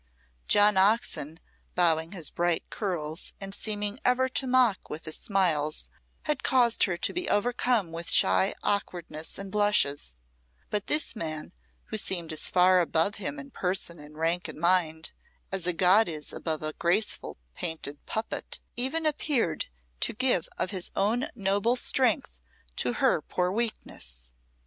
John Oxon, bowing his bright curls, and seeming ever to mock with his smiles, had caused her to be overcome with shy awkwardness and blushes; but this man, who seemed as far above him in person and rank and mind as a god is above a graceful painted puppet, even appeared to give of his own noble strength to her poor weakness.